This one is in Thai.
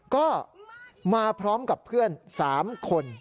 ก็มาพร้อมกับเพื่อน๓คน